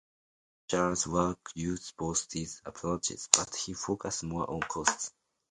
Marshall's work used both these approaches, but he focused more on costs.